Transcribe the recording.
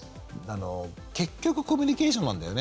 結局コミュニケーションなんだよね。